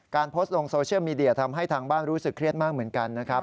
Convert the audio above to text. โพสต์ลงโซเชียลมีเดียทำให้ทางบ้านรู้สึกเครียดมากเหมือนกันนะครับ